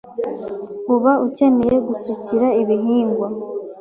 Uba ucyeneye gusukira ibihingwa